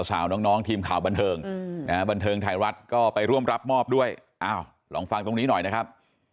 สาวน้องทีมข่าวบันเทิงบันเทิงไทยรัฐก็ไปร่วมรับมอบด้วยอ้าวลองฟังตรงนี้หน่อยนะครับ